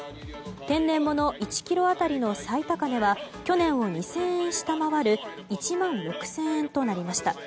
天然物１ｋｇ当たりの最高値は去年を２０００円下回る１万６０００円となりました。